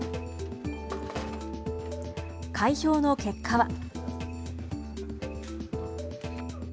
開票の結果は。